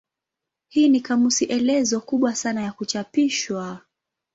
Hii ni kamusi elezo kubwa sana ya kuchapishwa.